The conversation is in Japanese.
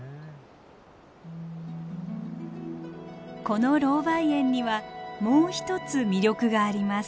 このロウバイ園にはもう一つ魅力があります。